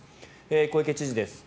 小池知事です。